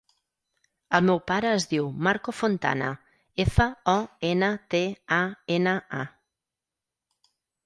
El meu pare es diu Marco Fontana: efa, o, ena, te, a, ena, a.